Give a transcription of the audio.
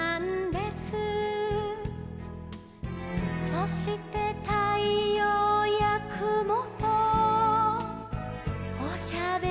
「そしてたいようやくもとおしゃべりしてたんです」